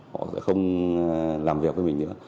họ sẽ không làm việc với mình nữa